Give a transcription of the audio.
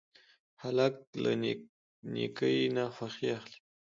هلک له نیکۍ نه خوښي اخلي.